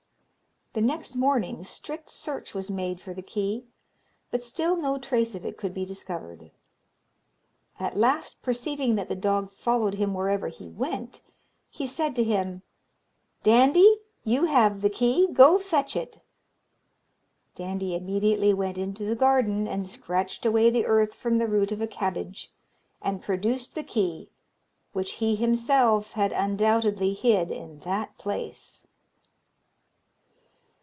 The next morning strict search was made for the key, but still no trace of it could be discovered. At last, perceiving that the dog followed him wherever he went, he said to him, 'Dandie, you have the key go, fetch it.' Dandie immediately went into the garden and scratched away the earth from the root of a cabbage, and produced the key, which he himself had undoubtedly hid in that place.